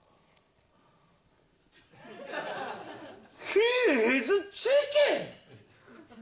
ヒーハズチキン。